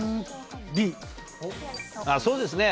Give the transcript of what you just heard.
そうですね。